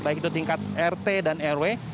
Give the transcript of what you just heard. baik itu tingkat rt dan rw